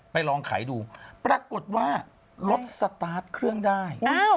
ลองไขดูปรากฏว่ารถสตาร์ทเครื่องได้